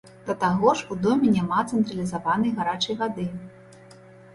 Да таго ж у доме няма цэнтралізаванай гарачай вады!